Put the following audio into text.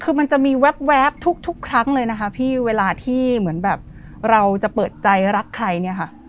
คือมันจะมีแว๊บทุกครั้งเลยนะคะพี่เวลาที่เหมือนแบบเราจะเปิดใจรักใครเนี่ยค่ะ